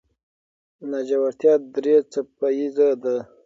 ناجوړتیا درې څپه ایزه ده.